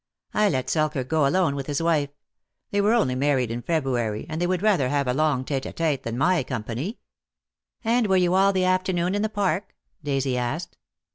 "I let Selkirk go alone, with his wife. They were only married in February, and they would rather have a long tete a tete than my company." DEAD LOVE HAS CHAINS. 'l^g "And were you all the afternoon in the Park?" Daisy asked.